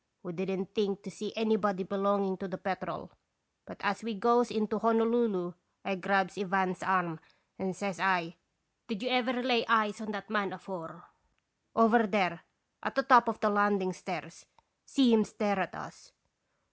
We did n't think to see anybody belong ing to the Petrel, but as we goes into Honolulu I grabs Ivan's arm, and says I : "'Did you ever lay eyes on that man afore? Over there, at the top of the landing stairs. See him stare at us